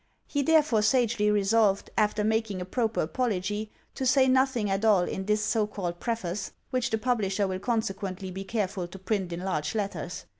He therefore sagely resolved, after making a proper apology, to say nothing at all in this so called preface, 10 1'ItIvFACK TO THE FIRST KDITION. t: which the publislier will consequently be careful to print in large letters.